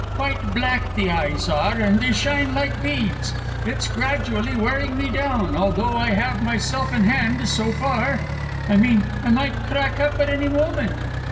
"Quite black the eyes are, and they shine like beads! It's gradually wearing me down, although I have myself in hand, so far. I mean I might crack up at any moment.